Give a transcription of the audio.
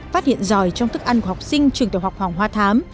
phát hiện giỏi trong thức ăn của học sinh trường tiểu học hoàng hoa thám